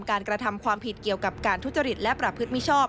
กระทำความผิดเกี่ยวกับการทุจริตและประพฤติมิชอบ